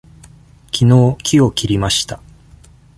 きのう木を切りました。